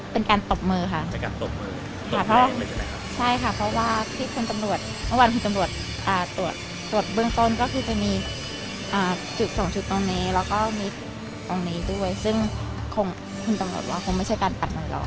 ตบมือค่ะตบมือค่ะเพราะว่าใช่ค่ะเพราะว่าที่คุณตำรวจเมื่อวานคุณตำรวจตรวจตรวจเบื้องต้นก็คือจะมีจุดสองจุดตรงนี้แล้วก็มิดตรงนี้ด้วยซึ่งคงคุณตำรวจว่าคงไม่ใช่การตัดมือหรอก